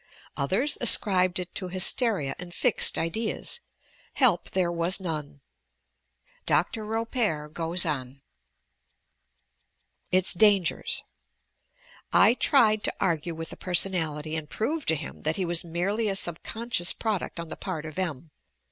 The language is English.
Others ascribed it to hysteria and fixed ideas — help there was none. Dr. Baupert goes on :— ITS DANGERS "I tried to argue with the personality and proved to him that he was merely a subconscious product on the part of M.